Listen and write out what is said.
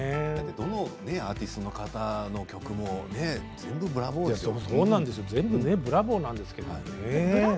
どのアーティストの方の曲も全部ブラボーですよね。